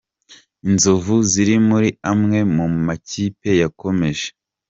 Inzovu ziri muri amwe mu ma kipe yakomeje